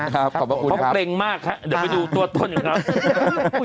ขอบคุณครับเพราะเกรงมากครับเดี๋ยวไปดูตัวต้นกันครับ